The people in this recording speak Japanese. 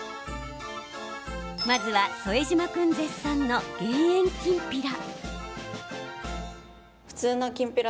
まずは副島君絶賛の減塩きんぴら。